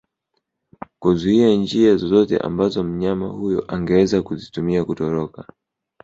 kuzuia njia zozote ambazo mnyama huyo angeweza kuzitumia kutoroka